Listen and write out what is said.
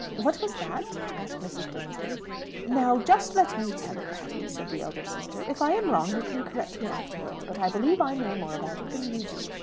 "What was that?" asked Mrs. Bransby. "Now, just let me tell it, Patty," said the elder sister. "If I am wrong you can correct me afterwards. But I believe I know more about it than you do.